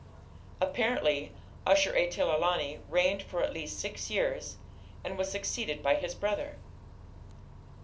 Apparently Ashur etil ilani reigned for at least six years, and was succeeded by his brother.